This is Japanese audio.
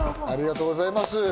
ありがとうございます。